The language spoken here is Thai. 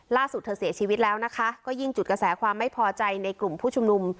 เธอเสียชีวิตแล้วนะคะก็ยิ่งจุดกระแสความไม่พอใจในกลุ่มผู้ชุมนุม